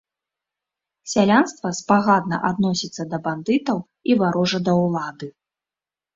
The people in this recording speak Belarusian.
Сялянства спагадна адносіцца да бандытаў і варожа да ўлады.